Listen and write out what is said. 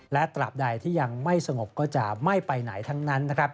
และตราบใดที่ยังไม่สงบก็จะไม่ไปไหนทั้งนั้น